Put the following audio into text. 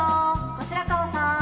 後白河さん」